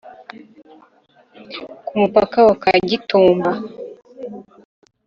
Ku Umupaka wa Kagitumba